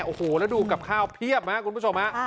โอ้โหแล้วดูกับข้าวเพียบนะคุณผู้ชมฮะ